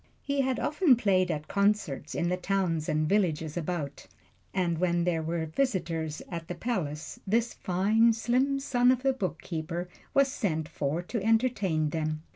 He had often played at concerts in the towns and villages about, and when there were visitors at the palace this fine, slim son of the bookkeeper was sent for to entertain them.